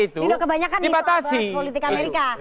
itu udah kebanyakan di bahas politik amerika